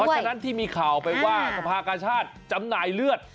ฉะนั้นที่มีข่าวไปว่าสภากาชาติจำหน่ายเลือด